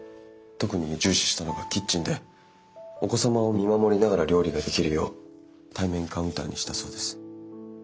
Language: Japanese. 特に重視したのがキッチンでお子様を見守りながら料理ができるよう対面カウンターにしたそうです。